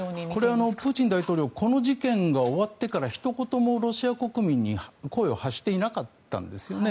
これはプーチン大統領この事件が終わってからひと言もロシア国民に声を発していなかったんです。